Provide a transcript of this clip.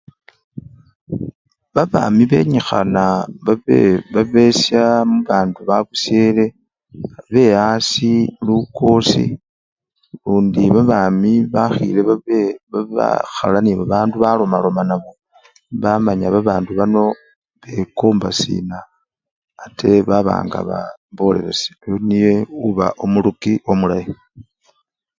Babami benyikhana baba besyamubandu babusyele be-asii lukosi lundi babami bakhile babe babekhala nebabandu balomaloma nabo, bamanya babandu bano bekomba sina ate babanga bolelesya, oyo niye oba omuruki omulayi.